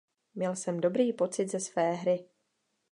Měl jsem dobrý pocit ze své hry.